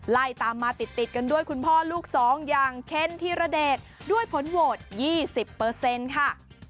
ไล่ตามมาติดกันด้วยคุณพ่อลูกสองอย่างเคนธีรเดชด้วยผลโหวต๒๐ค่ะ